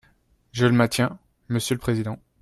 Je le maintiens, monsieur le président.